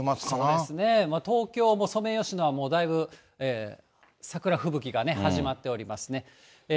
そうですね、東京もソメイヨシノはもうだいぶ桜吹雪が始まっておりますね。